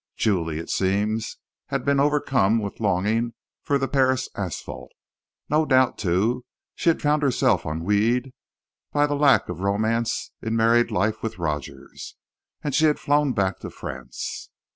Julie, it seems, had been overcome with longing for the Paris asphalt; no doubt, too, she had found herself ennuied by the lack of romance in married life with Rogers; and she had flown back to France.